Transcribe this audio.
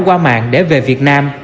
qua mạng để về việt nam